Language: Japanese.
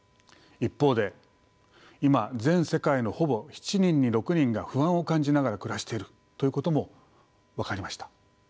一方で今全世界のほぼ７人に６人が不安を感じながら暮らしているということも分かりました。